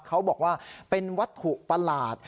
เขาบอกว่าเป็นวัตถุประหลาด